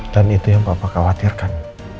dan itu yang papa khawatirkan